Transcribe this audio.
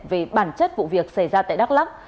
về bản chất vụ việc xảy ra tại đắk lắc